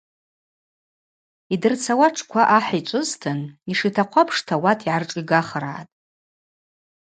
Йдырцауа атшква ахӏ йчӏвызтын йшитахъу апшта ауат йгӏаршӏигахыргӏатӏ.